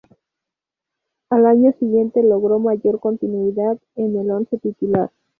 Al año siguiente logró mayor continuidad en el once titular.